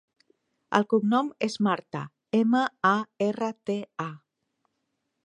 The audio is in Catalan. El cognom és Marta: ema, a, erra, te, a.